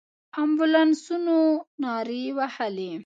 امبولانسونو نارې وهلې.